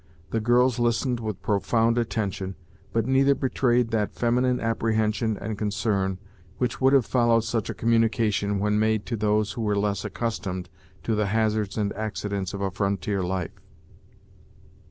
The girls listened with profound attention, but neither betrayed that feminine apprehension and concern which would have followed such a communication when made to those who were less accustomed to the hazards and accidents of a frontier life.